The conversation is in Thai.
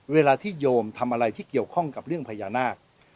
เวลาที่โยมทำอะไรที่เกี่ยวข้องกับเรื่องพญานาค